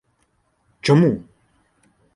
— Чому?